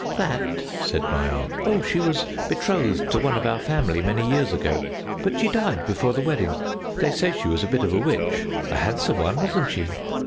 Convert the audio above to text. "'That?' said my aunt. 'Oh! she was betrothed to one of our family many years ago, but she died before the wedding. They say she was a bit of a witch. A handsome one, wasn't she?'